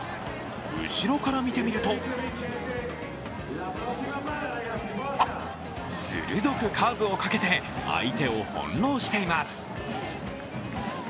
後ろから見てみると鋭くカーブをかけて相手を翻弄しています。